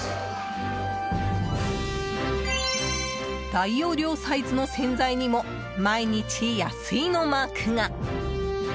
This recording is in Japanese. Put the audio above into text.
大容量サイズの洗剤にも「毎日安い」のマークが！